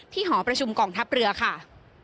หอประชุมกองทัพเรือค่ะ